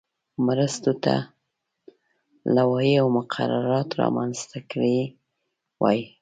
مرستو ته لوایح او مقررات رامنځته کړي وای.